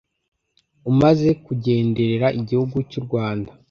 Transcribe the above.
umaze kugenderera igihugu cy’u Rwanda